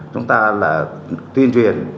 chúng ta là tuyên truyền